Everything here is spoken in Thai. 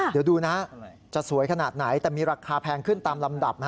เดี๋ยวดูนะจะสวยขนาดไหนแต่มีราคาแพงขึ้นตามลำดับ